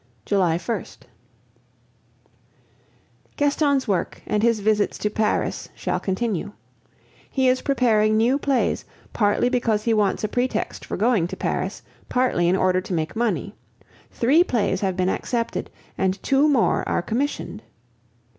July 1st. Gaston's work and his visits to Paris shall continue. He is preparing new plays, partly because he wants a pretext for going to Paris, partly in order to make money. Three plays have been accepted, and two more are commissioned.